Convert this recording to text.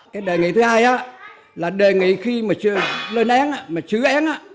cái đề nghị thứ hai á là đề nghị khi mà chứa nén á mà chứa nén á